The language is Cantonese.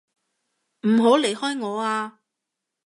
唔好離開我啊！